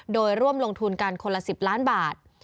โดยร่วมลงทุนกันคนละ๑๐ล้านบาท